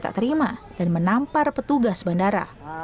tak terima dan menampar petugas bandara